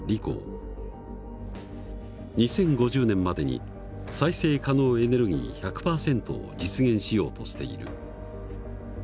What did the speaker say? ２０５０年までに再生可能エネルギー１００％を実現しようとしている。